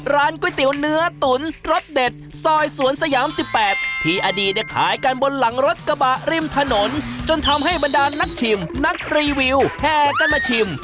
ร้านก๋วยเตี๋ยวเนื้อตุ๋นรสเด็ดซอยสวนสยาม๑๘ที่อดีตเนี่ยขายกันบนหลังรถกระบะริมถนนจนทำให้บรรดานนักชิมนักรีวิวแห่กันมาชิม